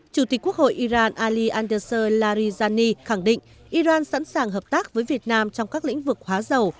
chủ tịch quốc hội iran ali andeser larijani khẳng định iran sẵn sàng hợp tác với việt nam trong các lĩnh vực hóa dầu